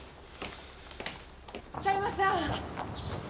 狭山さん！